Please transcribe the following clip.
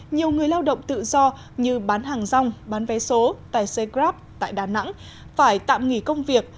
nhiều người lao động tự do như bán hàng rong bán vé số tài xế grab tại đà nẵng phải tạm nghỉ công việc